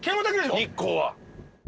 日光は。